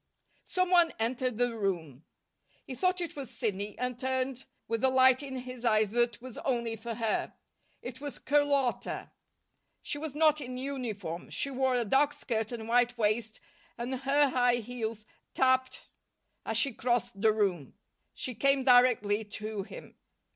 Some one entered the room. He thought it was Sidney and turned with the light in his eyes that was only for her. It was Carlotta. She was not in uniform. She wore a dark skirt and white waist and her high heels tapped as she crossed the room. She came directly to him.